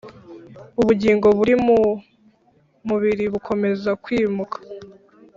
ubugingo buri mu mubiri bukomeza kwimuka,